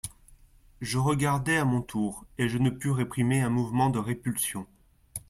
Je regardai à mon tour, et je ne pus réprimer un mouvement de répulsion.